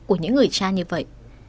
của những người cha như vậy